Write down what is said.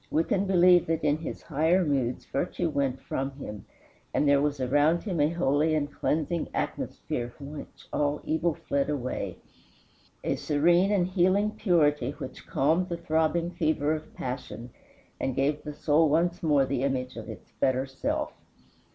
We can believe that in his higher moods virtue went from him, and there was around him a holy and cleansing atmosphere from which all evil fled away, a serene and healing purity which calmed the throbbing fever of passion and gave the soul once more the image of its better self.